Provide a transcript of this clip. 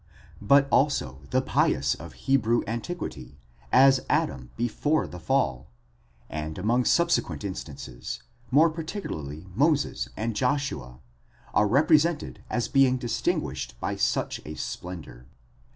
but also the pious of Hebrew antiquity, as Adam before the fall, and among subsequent instances, more particularly Moses and Joshua, are repre sented as being distinguished by such a splendour